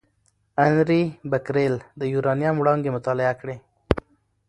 انري بکرېل د یورانیم وړانګې مطالعه کړې.